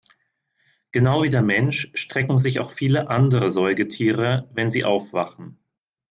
Genau wie der Mensch strecken sich auch viele andere Säugetiere, wenn sie aufwachen.